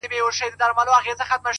• د دوبي ټکنده غرمې د ژمي سوړ سهار مي ـ